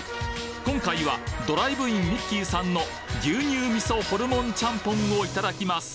今回はドライブインミッキーさんの牛乳味噌ホルモンチャンポンをいただきます